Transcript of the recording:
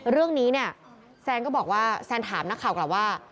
เรื่องนี้เนี่ยแซนก็บอกว่าแซนถามนักข่าวกลับว่า